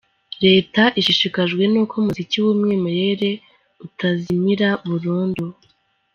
Leta ishishikajwe n’uko umuziki w’umwimerere utazimira burundu.